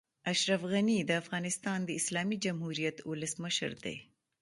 اشرف غني د افغانستان د اسلامي جمهوريت اولسمشر دئ.